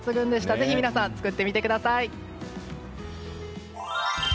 ぜひ皆さん、作ってみてください。